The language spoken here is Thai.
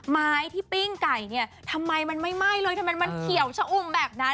ไม้ที่ปิ้งไก่เนี่ยทำไมมันไม่ไหม้เลยทำไมมันเขียวชะอุ่มแบบนั้น